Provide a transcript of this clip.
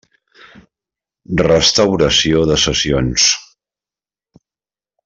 Restauració de sessions.